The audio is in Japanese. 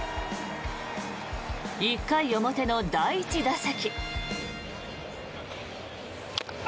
１回表の第１打席。